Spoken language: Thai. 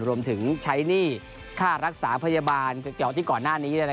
รวมถึงใช้หนี้ค่ารักษาพยาบาลเก่าที่ก่อนหน้านี้